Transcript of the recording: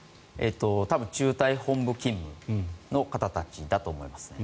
多分、中隊本部勤務の方たちだと思いますね。